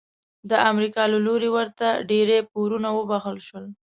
د امریکا له لوري ورته ډیری پورونه وبخښل شول.